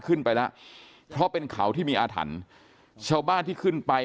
ขึ้นไปแล้วเพราะเป็นเขาที่มีอาถรรพ์ชาวบ้านที่ขึ้นไป